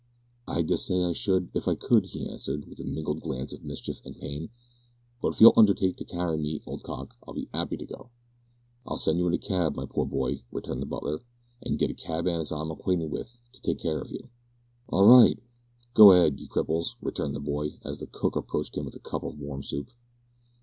"I dessay I should, if I could," he answered, with a mingled glance of mischief and pain, "but if you'll undertake to carry me, old cock, I'll be 'appy to go." "I'll send you in a cab, my poor boy," returned the butler, "and git a cabman as I'm acquainted with to take care of you." "All right! go a'ead, ye cripples," returned the boy, as the cook approached him with a cup of warm soup.